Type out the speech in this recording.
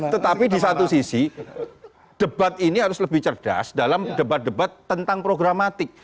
tetapi di satu sisi debat ini harus lebih cerdas dalam debat debat tentang programatik